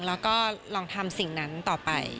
แล้วก็ลองทำสิ่งนั้นต่อไป